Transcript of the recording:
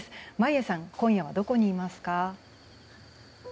眞家さん今夜はどこにいますか？